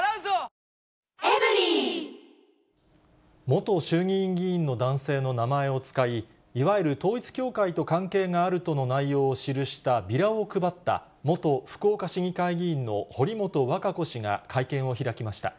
元衆議院議員の男性の名前を使い、いわゆる統一教会と関係があるとの内容を記したビラを配った、元福岡市議会議員の堀本和歌子氏が会見を開きました。